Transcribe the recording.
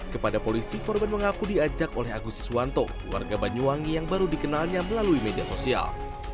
kepada polisi korban mengaku diajak oleh agus siswanto warga banyuwangi yang baru dikenalnya melalui media sosial